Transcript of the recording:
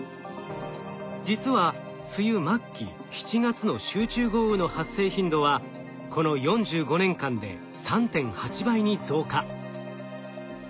実は梅雨末期７月の集中豪雨の発生頻度はこの４５年間で３．８倍に増加。